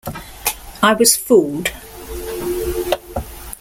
I was fooled.